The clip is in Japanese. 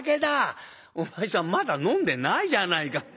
「お前さんまだ飲んでないじゃないか」。